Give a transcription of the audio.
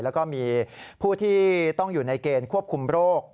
แล้วก็มีผู้ที่ต้องอยู่ในเกณฑ์ควบคุมโรค